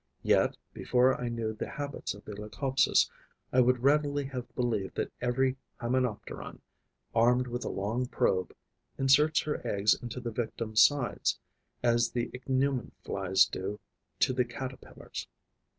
Yet, before I knew the habits of the Leucopsis, I would readily have believed that every Hymenopteron armed with a long probe inserts her eggs into the victim's sides, as the Ichneumon flies do to the Caterpillars.